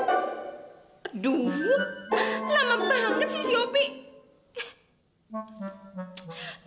aduh lama banget sih si opie